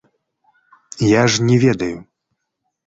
Я ж не ведаю.